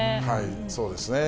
そうですね。